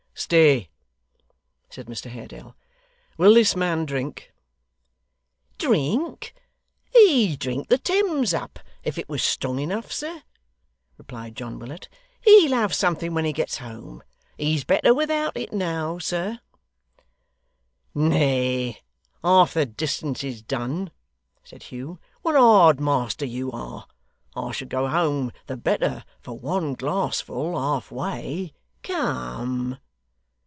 'Stay,' said Mr Haredale. 'Will this man drink?' 'Drink! He'd drink the Thames up, if it was strong enough, sir,' replied John Willet. 'He'll have something when he gets home. He's better without it, now, sir.' 'Nay. Half the distance is done,' said Hugh. 'What a hard master you are! I shall go home the better for one glassful, halfway. Come!